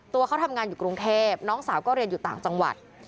ตัวเขาทำงานอยู่กรุงเทพน้องสาวก็เรียนอยู่ต่างจังหวัด